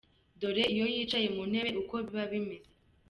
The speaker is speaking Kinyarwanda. Dore iyo yicaye mu ntebe uko biba bimeze.